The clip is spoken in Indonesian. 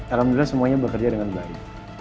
alhamdulillah semuanya bekerja dengan baik